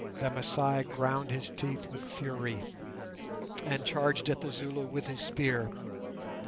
The Masai ground his teeth with fury, and charged at the Zulu with his spear.